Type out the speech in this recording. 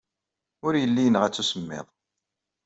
Ur yelli yenɣa-tt usemmiḍ.